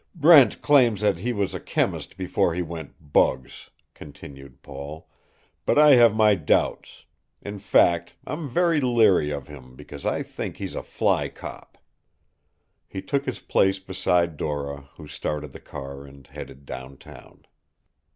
"Brent claimed that he was a chemist before he went 'bugs,'" continued Paul, "but I have my doubts; in fact, I'm very leery of him because I think he's a fly cop." He took his place beside Dora, who started the car and headed down town.